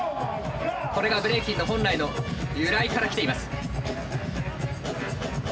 これがブレイキンの本来の由来から来ています。